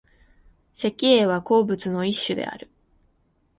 石英は鉱物の一種である。